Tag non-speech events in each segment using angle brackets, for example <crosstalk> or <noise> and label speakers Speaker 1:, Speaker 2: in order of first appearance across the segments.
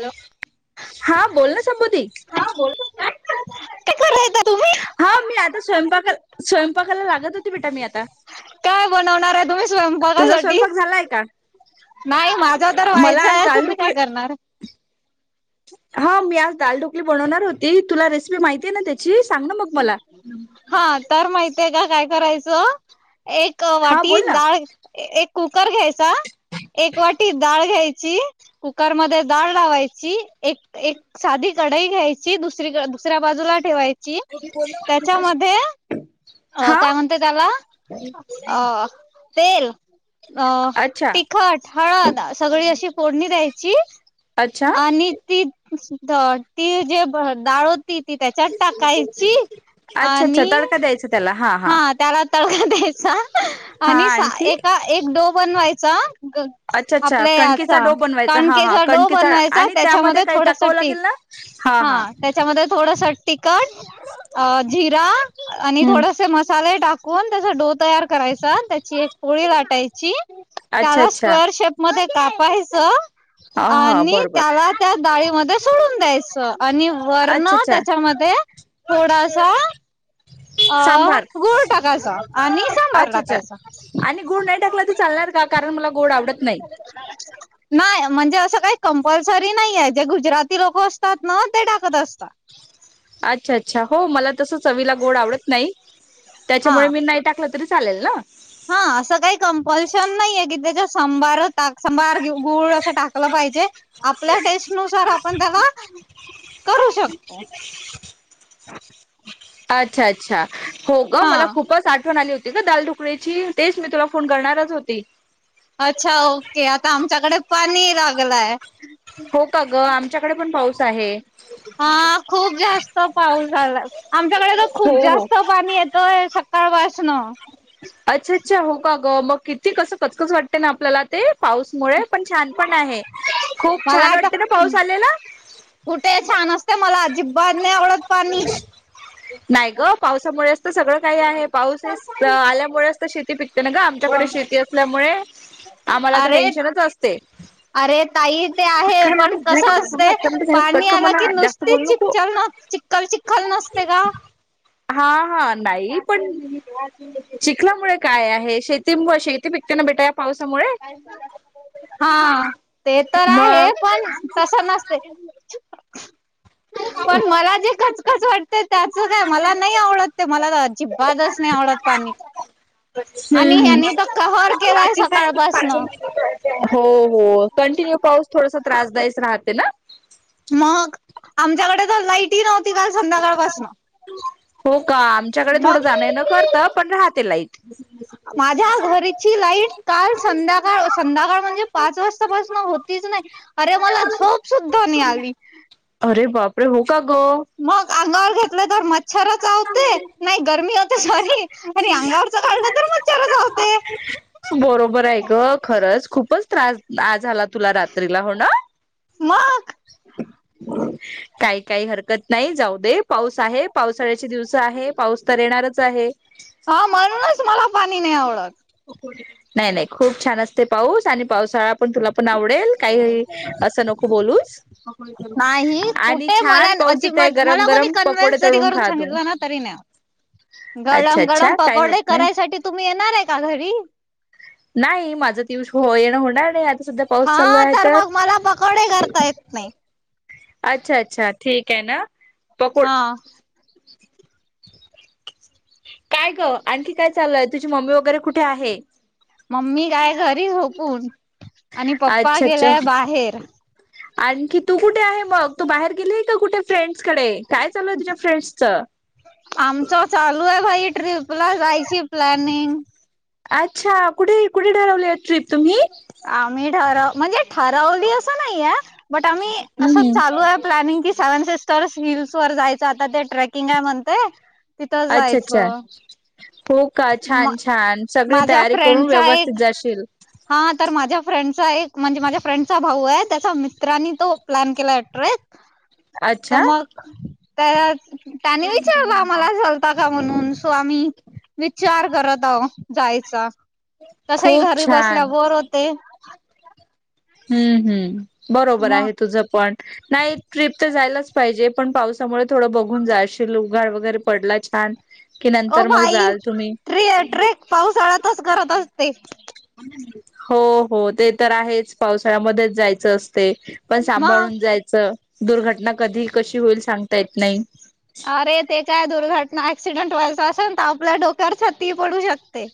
Speaker 1: Hello.
Speaker 2: हा बोल ना संबुधी
Speaker 1: हा बोला. काय करायता तुम्ही?
Speaker 2: हा मी आता स्वयंपाका स्वयंपाकाला लागत होती बेटा मी आता.
Speaker 1: काय बनवणार आहे तुम्ही
Speaker 2: तुझा
Speaker 1: स्वयंपाकासाठी?
Speaker 2: स्वयंपाक झालाय का
Speaker 1: नाही माझा तर
Speaker 2: मला आज
Speaker 1: व्हायचंय
Speaker 2: दाल
Speaker 1: तुम्ही काय
Speaker 2: ढोकळी
Speaker 1: करणार?
Speaker 2: हा मी आज दालढोकली बनवणार होती तुला रेसिपी माहिती माहिती आहेना त्याची सांग ना मग मला.
Speaker 1: ते का काय करायचं एक
Speaker 2: हा
Speaker 1: वाटी
Speaker 2: बोल ना
Speaker 1: डाळ एक कुकर घ्यायचा एक वाटी डाळ घ्यायची. कुकर मध्ये दाळ लावायची एक साधी कढाई घ्यायची दुसरी दुसऱ्या बाजूला ठेवायची त्याच्यामध्ये अ
Speaker 2: हा
Speaker 1: काय म्हणतेय त्याला अ तेल अ
Speaker 2: अच्छा
Speaker 1: तिखट हळद सगळी अशी फोडणी द्यायची.
Speaker 2: अच्छा
Speaker 1: आणि ती ती जे डाळ होती ती त्याच्या टाकायची
Speaker 2: अच्छा अच्छा
Speaker 1: आणि
Speaker 2: तडका द्यायचा त्याला
Speaker 1: हा त्याला तडका द्यायचा
Speaker 2: हा
Speaker 1: आणि सा
Speaker 2: आणखी
Speaker 1: ए एक डो बनवायचा.
Speaker 2: अच्छा अच्छा
Speaker 1: आपल्या
Speaker 2: कणकेचा
Speaker 1: याचा
Speaker 2: डो बनवायचा हा हा
Speaker 1: कणकेचा डो
Speaker 2: कणकेचा
Speaker 1: बनवायचा
Speaker 2: आणि त्यामध्ये
Speaker 1: त्याच्यामध्ये
Speaker 2: काही
Speaker 1: थोडस
Speaker 2: टाकावं
Speaker 1: टीक
Speaker 2: लागेल ना
Speaker 1: हा त्याच्यामध्ये थोडस तिकट अ जिरा आणि
Speaker 2: हम्म
Speaker 1: थोडसे मसा ले टाकून त्याचा डो तयार करायचा त्याची एक पोळी लाटायची.
Speaker 2: अच्छा
Speaker 1: त्याला
Speaker 2: अच्छा
Speaker 1: स्क्वेर शेप मध्ये कापायचं.
Speaker 2: हा हा
Speaker 1: आणि
Speaker 2: बरोबर
Speaker 1: त्याला त्या डाळीमध्ये सोडून द्यायच आणि वर्ण
Speaker 2: अच्छा अच्छा
Speaker 1: त्याच्यामध्ये थोडासा अ
Speaker 2: सांबार
Speaker 1: गुळ टाकायच आणि सांबार
Speaker 2: अच्छा अच्छा
Speaker 1: टाकायच.
Speaker 2: आणि गुळ नाही टाकला तर चालणार का कारण मला गोड आवडत नाही.
Speaker 1: नाही म्हणजे असं काही कंपल्सरी नाहीय जे गुजराती लोक असतात ना ते टाकत असतात. <inaudible>
Speaker 2: अच्छा अच्छा हो मला तस चवीला गोड आवडत नाही
Speaker 1: हा
Speaker 2: त्याच्यामुळे मी नाही टाकलं तरीच चालेल ना.
Speaker 1: हा असं काही कंपल्शन नाही आहे की त्याच्या सांबार गुळ अस टाकलं पाहिजे आपल्या टेस्ट नुसार आपण त्याला
Speaker 2: ह
Speaker 1: ह
Speaker 2: अच्छा अच्छा हो ग मला
Speaker 1: हा.
Speaker 2: खूपच आठवण आली होती. का दाल ढुकळीची तेच मी तुला फोन करणारच होती.
Speaker 1: अच्छा ओके आता आमच्याकडे पाणी लागलंय.
Speaker 2: हो का ग आमच्याकडे पण पाऊस आहे.
Speaker 1: हा खूप जास्त पाऊस आला आमच्याकडे तर खूप
Speaker 2: हो हो
Speaker 1: जास्त पाणी येतंय. तळ वाास ना
Speaker 2: अच्छा अच्छा हो का? ग मग किती कसं खचकस वाटते ना आपल्याला ते पाऊसमुळे पण छान पण आहे. खूप
Speaker 1: मला
Speaker 2: छान
Speaker 1: आता
Speaker 2: वाटते ना पाऊस आलेला?
Speaker 1: कुठे छान असते मला अजिबात नाही आवडत पाणी.
Speaker 2: नाही ग पावसामुळेच तर सगळं काही आहे पाऊसस आल्यामुळे शेती पिकते ना ग आमच्याकडे शेती असल्यामुळे आम्हाला तर
Speaker 1: अरे
Speaker 2: टेन्शनच असते.
Speaker 1: अरे ताई ते आहे
Speaker 2: अकरा मिनिटे
Speaker 1: पण
Speaker 2: झाले का
Speaker 1: कसं
Speaker 2: तुझ
Speaker 1: असत
Speaker 2: अकरा मिनिटे झाले कट
Speaker 1: पाणी
Speaker 2: कर
Speaker 1: आला की
Speaker 2: म्हणा जास्त
Speaker 1: नुसती
Speaker 2: बोलू नको
Speaker 1: चिपचल न चिखल चिखल नसते का?
Speaker 2: हा हा नाही पण पिकल्यामुळे काय आहे शेती मु शेती पिकतेना भेटाय
Speaker 1: हा ते तर आहे पण तस नसते.
Speaker 2: मग हम्म
Speaker 1: पण मला जे खचखच वाटत. ते त्याच काय मला नाही आवडत ते मला तर अजिबातच नाही आवडत पाणी आणि
Speaker 2: हम्म
Speaker 1: यांनी तर कहर केलाय
Speaker 2: हम्म.
Speaker 1: सकाळपासन
Speaker 2: हो हो कंटिन्यू पाऊस थोड. त्रासदायीस राहते ना.
Speaker 1: मग आमच्याकडे तर लाईटही नव्हती काल संध्याकाळपासून
Speaker 2: हो का आमच्याकडे थोडं जाण न करत पण राहते लाईक
Speaker 1: माझ्या घरीची लाईट काल संध्याकाळ संध्याकाळ म्हणजे पाच वाजतापासून होती. नाही अरे मला झोप सुद्धा नि आली.
Speaker 2: वापरे हो. का ग?
Speaker 1: मग अंगवर घेतलं तर म मच्छरचावते नाही गरमी होते सॉरी आणि अंगावरच काढलं तर मच्छरचावते.
Speaker 2: तू बरोबर आहे ग खरंच खूप त्रास आज आला तुला रात्रीला हो ना.
Speaker 1: मग
Speaker 2: काही काही हरकत नाही जाऊ दे पाऊस आहे पाऊस पावसाळ्याचे दिवस आहे पाऊस तर येणारच आहे.
Speaker 1: हा म्हणूनच मला पाणी नाही आवडत.
Speaker 2: नाही नाही खूप छान असते पाऊस आणि पावसाळा पण तुला पण आवडेल काही अस नको बोलू
Speaker 1: नाही
Speaker 2: आणि
Speaker 1: कुठे मला
Speaker 2: छान पाऊस गरम गरम पकोडे तळून खातातो.
Speaker 1: अवणा तरीन.
Speaker 2: अच्छा
Speaker 1: गळम गळम
Speaker 2: अच्छा काही होत
Speaker 1: पकोडे
Speaker 2: नाही
Speaker 1: करायसाठी तुम्ही येणार आहे का घरी
Speaker 2: नाही माझ तवस येणं होणार नाही. सध्या पाऊस चालू
Speaker 1: हा
Speaker 2: आहे
Speaker 1: तर मग मला पकोडे करता येत नाही.
Speaker 2: अच्छा अच्छा ठीक आहे ना पकोड
Speaker 1: हा
Speaker 2: काय ग आणखी काय चालय तुझी मम्मी वगैरे कुठे आहे.
Speaker 1: मम्मी काय घरी झोपून आणि पप्पा
Speaker 2: अच्छा अच्छा
Speaker 1: गेलाय बाहेर
Speaker 2: आणखी तू कुठे आहे मग तू बाहेर गेलीय का कुठे फ्रेंड्स कडे काय चालू आहे तुझ्या फ्रेंड्सच
Speaker 1: आमच चालू आहे भाई ट्र्रीप ला जायची प्लॅनिंग
Speaker 2: अच्छा कुठे कुठे ठरवली ट्र्रीप तुम्ही
Speaker 1: आम्ही ठरव म्हणजे ठरवली असं नाही बट आम्ही अस
Speaker 2: हम्म हम्म
Speaker 1: चालू आहे प्लनिंग की सेव्ह च हिल्स वर जायचं आता ते ट्रेकिंग आहे म्हणते तिथंच
Speaker 2: अच्छा अच्छा
Speaker 1: जायचं.
Speaker 2: हो का
Speaker 1: म
Speaker 2: छान छान सगळी
Speaker 1: माझ्या
Speaker 2: तयारी करून
Speaker 1: फ्रेंडचा
Speaker 2: व्यवस्थित
Speaker 1: एक
Speaker 2: जाशील.
Speaker 1: हा तर माझ्या फ्रेंडचा एक म्हणजे माझ्या फ्रेंडचा भाऊ आहे त्याचा मित्रांनी तो प्लॅन केला ट्रे. तर
Speaker 2: अच्छा
Speaker 1: मग त्या त्याने विचारलं मलालता का? म्हणून सो आम्ही विचार करत आहो जायचा. तसही
Speaker 2: खूप
Speaker 1: घरी बसल्या
Speaker 2: छान
Speaker 1: वर होते.
Speaker 2: हम्म हम्म बरोबर
Speaker 1: म
Speaker 2: आहे तुझं पण नाही ट्रीप तर जायलाच पाहिजे पण पावसामुळे थोडं बघून जाशील उगाड वगैरे पडला छान. की
Speaker 1: हो
Speaker 2: नंतर मग
Speaker 1: भाई
Speaker 2: जाल तुम्ही
Speaker 1: टे ट्रेक पाऊसाळ्यातच करत असते.
Speaker 2: हो हो ते तर आहेच पावसाळ्यामध्येच जायचं असते. पण
Speaker 1: मग
Speaker 2: सांभाळून जायचं दुर्घटना कधी कशी होईल सांगता येत नाही.
Speaker 1: क्सिडेंट व्हायचा असेल तर आपल्या डोक्यावर छात पडू शकते.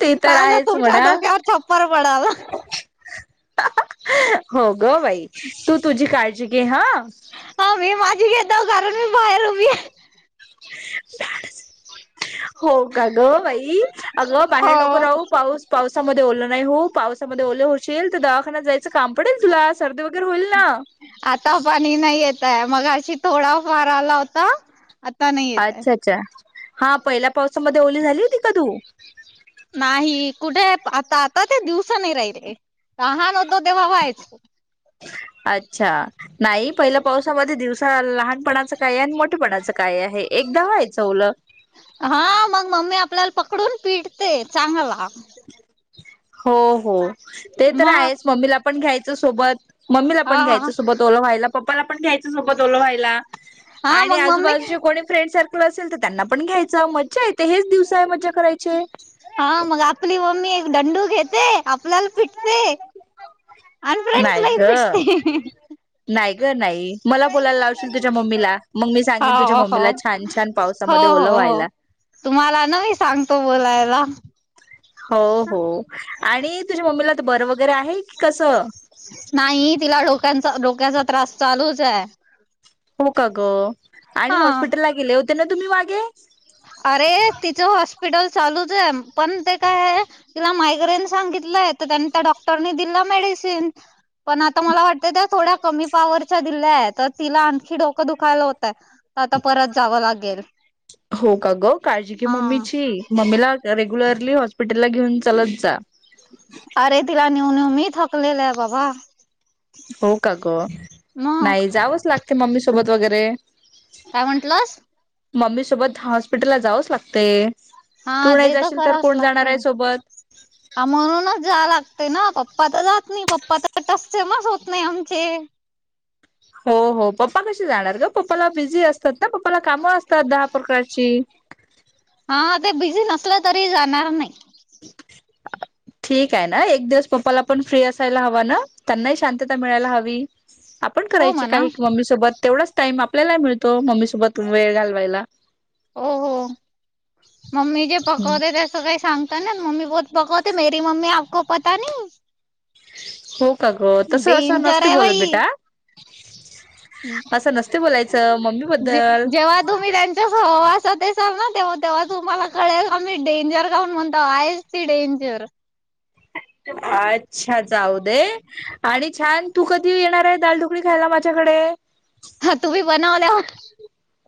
Speaker 2: ते तर
Speaker 1: पाझ
Speaker 2: आहेच
Speaker 1: तुमच्या
Speaker 2: म्हणा
Speaker 1: डोक्यावर छप्पर पडाल.
Speaker 2: हो ग बाई तू तुझी काळजी घे हा.
Speaker 1: घता कारण मी बाहेर उभी आहे.
Speaker 2: <unintelligible> हो का ग बाई अगं बाहेर नको
Speaker 1: हो
Speaker 2: राहू पाऊस पावसामध्ये ओलं नाही हो. पावसामध्ये ओले होशील, तर दवाखान्यात जा काम पडेल, तुला सर्दी वगैरे होईल ना.
Speaker 1: आता पाणी नाही येत आहे मगाशी थोडा फार आला होता, आता नाही येतये.
Speaker 2: अच्छा अच्छा. हा, पहिल्या पावसामध्ये ओली झाली होती का तू
Speaker 1: नाही कुठे आता, आता ते दिवसा नाही राहिले लहान होतो तेव्हा व्हायच
Speaker 2: अच्छा, नाही पहिल्या पावसामध्ये दिवसा लहानपणाचं काय, आणि मोठेपणाचं काय आहे, एकदा व्हायचं ओल
Speaker 1: हा मग मम्मी आपल्याला पकडून पिटते चांगला
Speaker 2: हो, हो, ते तर
Speaker 1: मग
Speaker 2: आहेच मम्मीला पण घ्यायचं सोबत मम्मीला पण
Speaker 1: हा
Speaker 2: घ्यायचं सोबत, ओलं व्हायला, पप्पाला पण घ्यायचं सोबत, ओल व्हायला
Speaker 1: हा
Speaker 2: आणि
Speaker 1: मग मम्मी
Speaker 2: आजूबाजूचे कोणी फ्रेंड सारख असेल तर, त्यांना पण घ्यायचं मज्जा येते, हेच दिवसा आहे मज्जा कराय
Speaker 1: हा मग आपली मम्मी एक दंडू घेते, आपल्याला पिटते आणि
Speaker 2: नाही
Speaker 1: फ्रेंड्सला ही
Speaker 2: ग
Speaker 1: पटते.
Speaker 2: नाही ग नाही मला बोलायला लावशील तुझ्या मम्मीला मग मी सांगेन तुझ्या
Speaker 1: हाव, हो.
Speaker 2: मम्मीला छान छान
Speaker 1: हो.
Speaker 2: पावसामध्ये ओलं
Speaker 1: हो. हो.
Speaker 2: व्हायला
Speaker 1: तुम्हाला नाही सांगतो बोलायला
Speaker 2: हो, हो आणि तुझ्या मम्मीला तर बर वगैरे आहे की कसं
Speaker 1: नाही तिला डोक्याचा, डोक्याचा त्रास चालूच आहे
Speaker 2: हो, का ग. आणि
Speaker 1: हा
Speaker 2: हॉस्पिटलला गेले होते ना तुम्ही मागे?
Speaker 1: अरे तिचं हॉस्पिटल चालूच आहे, पण ते काय तिला मायग्रेन सांगितलंय, तर त्यांनी त्या डॉक्टरने दिला मेडिसिन पण आता मला वाटतं, त्या थोड्या कमी पावरच्या दिल्या आहेत तर तिला आणखी डोकं दुखायला होत आता परत जावं लागेल.
Speaker 2: हो का ग काळजी की
Speaker 1: हा.
Speaker 2: मम्मीची, मम्मीला रेग्युलरली हॉस्पिटल ला घेऊन चलत जा
Speaker 1: अरे तिला नेऊन नेऊन मी थकलेलं आहे बाबा
Speaker 2: हो, का ग?
Speaker 1: मग
Speaker 2: नाही जावंच लागते मम्मी सोबत वगैरे
Speaker 1: काय म्हंटलस?
Speaker 2: मम्मी सोबत हॉस्पिटलला जावंच लागतय.
Speaker 1: हा, ते तर कराच लागते,
Speaker 2: सोबत
Speaker 1: म्हणूनच जा लागते ना पप्पा तर जात नाही पप्पा तर <unintelligible> होत नाही आमचे
Speaker 2: हो, हो, पप्पा कशी जाणार ग? पप्पाला बिझी अस असत ना पप्पाला कामं असतात दहा प्रकारची
Speaker 1: हा ते बिझी नसले तरी जाणार नाही. <inaudible>
Speaker 2: ठीक आहे, ना एक दिवस पप्पाला पण फ्री असायला हवा ना, त्यांनाही शांतता मिळायला हवी आपण
Speaker 1: हो
Speaker 2: करायचे
Speaker 1: म्हणा
Speaker 2: काही मम्मी सोबत तेवढाच टाईम आपल्याला मिळतो मम्मी सोबत वेळ घालवायला.
Speaker 1: हो हो मम्मी जे पकवते ते सगळं सांगत ना मम्मी बहोत कमावते, मेरी मम्मी आपको पता नाही.
Speaker 2: हो, का ग तसं असं
Speaker 1: डेंजर
Speaker 2: नसते
Speaker 1: आहे
Speaker 2: बोलत
Speaker 1: बाई
Speaker 2: बेटा असं नसते बोलायचं मम्मी बद्दल
Speaker 1: जेव्हा तुम्ही त्यांच्या सहवासात चल ना तेव्हा, तेव्हा तुम्हाला कळेल, आम्ही डेंजर काऊून म्हणतो आहेच ती डेंजर <inaudible>
Speaker 2: अच्छा जाऊ दे, आणि छान तू, कधी येणार आहे दालढोकळी खायला माझ्याकडे?
Speaker 1: हा <inaudible>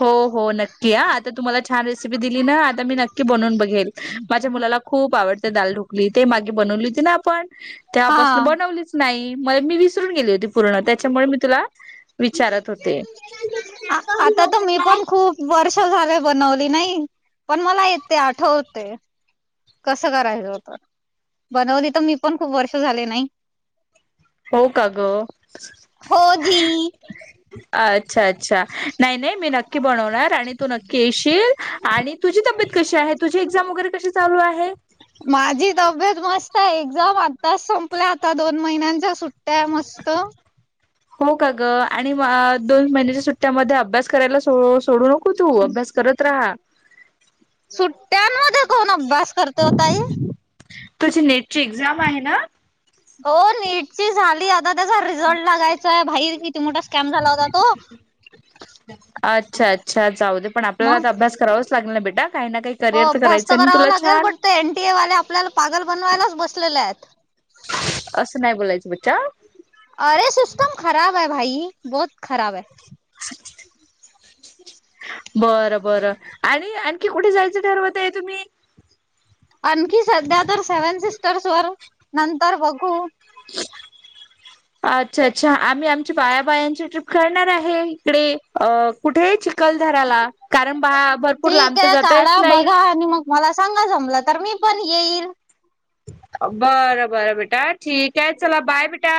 Speaker 2: हो, हो नक्की आ, आता तुम्हाला छान रेसिपी दिली ना आता मी नक्की बनून बघेन माझ्या मुलाला खूप आवडते दालढोकळी ते मागे बनवली होती ना, आपण त्यापासून
Speaker 1: हा
Speaker 2: बनवलीच नाही म मी विसरून गेली होती. पूर्ण त्याच्यामुळे मी तुला विचारत होते
Speaker 1: आता तर मी पण खूप वर्ष झाले बनवली नाही पण मला येते आठवते कसं करायचं होत बनवली तर मी पण खूप वर्ष झाले नाही
Speaker 2: हो का ग
Speaker 1: हो जी
Speaker 2: अच्छा अच्छा नाही नाही मी नक्की बनवणार आणि तू नक्की येशील आणि तुझी तब्येत कशी आहे तुझी एक्झाम वगैरे कशी चालू आहे
Speaker 1: माझी तब्येत मस्त एक्झाम आताच संपल्या आता दोन महिन्यांच्या सुट्ट्या मस्त
Speaker 2: हो का ग आणि दोन महिन्याच्या सुट्ट्यामध्ये अभ्यास करायला सोडू नक नको तू अभ्यास करत राहा
Speaker 1: सुट्ट्यांमध्ये कोण अभ्यास करते हो ताई
Speaker 2: तुझें नेट ची एक्झाम आहे ना.
Speaker 1: दादा चा रिझल्ट लागायचा आहे भाई किती मोठा स्कॅम झाला. तो.
Speaker 2: अच्छा अच्छ चाऊ दे पण आपल्याला आ
Speaker 1: मग
Speaker 2: अभ्यासरांच लागल ना बेटा. काही ना काही
Speaker 1: हो
Speaker 2: करिअर
Speaker 1: अभ्यास
Speaker 2: करायचं
Speaker 1: तर
Speaker 2: आणि
Speaker 1: करावा
Speaker 2: तुला
Speaker 1: लागेल
Speaker 2: छान
Speaker 1: बेटा ते एनटीए वाले आपल्याला पागल बनवायलाच बसलेले आहेत. <inaudible>
Speaker 2: असं नाही. बोलायचं बच्चा
Speaker 1: अरे सिस्टम खराब है भाई बहुत खराब ह.
Speaker 2: असं. बरं बरं आणि आणखी कुठे जायचं ठरवत आहे तुम्ही.
Speaker 1: आणखी सध्या तर सेव्हन सिस्टर्स वर नंतर बघू.
Speaker 2: अच्छा अच्छा आम्ही आमच्या बायाबायांची ट्रीप करणार आहे. इकडे. कुठे चिखलदराला कारण बा भरपूर लांब
Speaker 1: ठीक
Speaker 2: तर
Speaker 1: आहे
Speaker 2: जाता येत
Speaker 1: काढा
Speaker 2: नाही
Speaker 1: बघा आणि मग मला सांगा जमलं तर मी. पण येईल.
Speaker 2: बरं बरं बेटा ठीक आहे चला बाय बेटा.